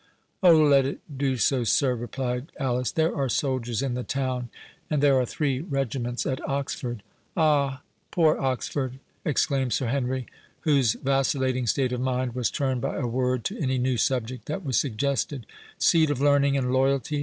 "Oh, let it do so, sir," replied Alice; "there are soldiers in the town, and there are three regiments at Oxford!" "Ah, poor Oxford!" exclaimed Sir Henry, whose vacillating state of mind was turned by a word to any new subject that was suggested,—"Seat of learning and loyalty!